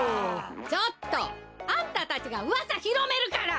ちょっとあんたたちがうわさひろめるから！